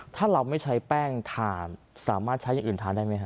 ถ้าเราไม่ใช้แป้งทานสามารถใช้อย่างอื่นทานได้ไหมครับ